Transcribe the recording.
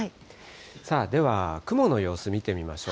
さあ、では雲の様子、見てみましょう。